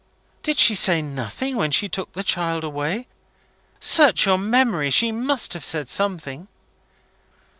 "Did she say nothing when she took the child away? Search your memory. She must have said something."